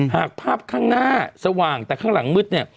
หากภาพข้างหน้าสว่างแต่ข้างหลังมืดเนี่ย